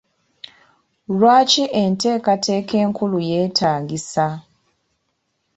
Lwaki enteekateeka enkulu yeetaagisa?